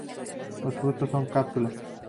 Los frutos son cápsulas.